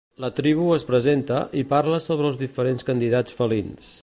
La tribu es presenta i parla sobre els diferents candidats felins.